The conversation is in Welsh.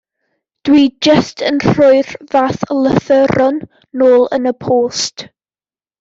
Dw i jyst yn rhoi'r fath lythyron nôl yn y post.